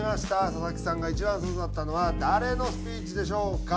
佐々木さんが一番刺さったのは誰のスピーチでしょうか？